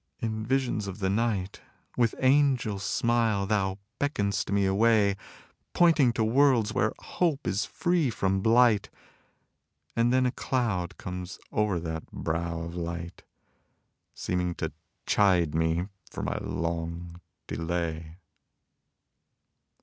In visions of the night With angel smile thou beckon'st me away, Pointing to worlds where hope is free from blight; And then a cloud comes o'er that brow of light, Seeming to chide me for my long delay.